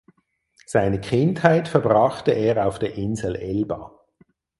Seine Kindheit verbrachte er auf der Insel Elba.